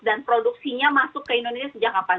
dan produksinya masuk ke indonesia sejak kapan